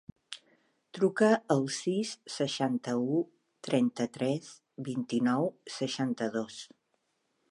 Truca al sis, seixanta-u, trenta-tres, vint-i-nou, seixanta-dos.